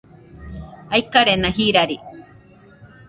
aikarena jirari